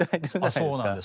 そうなんです。